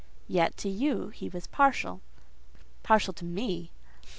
"Yet to you he was partial." "Partial to me?